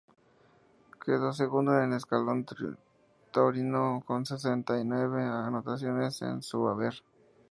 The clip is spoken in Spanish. Quedó segundo en el escalafón taurino con sesenta y nueve actuaciones en su haber.